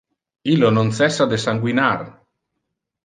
Illo non cessa de sanguinar.